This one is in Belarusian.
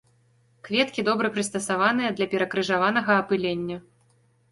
Кветкі добра прыстасаваныя для перакрыжаванага апылення.